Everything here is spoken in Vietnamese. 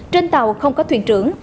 trên tàu không có thuyền trưởng